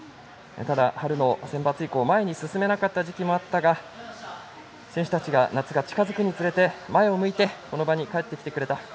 ただ春のセンバツ以降前に進めなかった時期もあったが選手たちが夏が近づくにつれて前を向いてこの場に帰ってきてくれた。